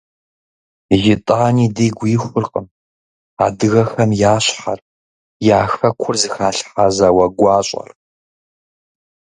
Итӏани, дигу ихуркъым адыгэхэм я щхьэр, я Хэкур зыхалъхьа зауэ гуащӏэр.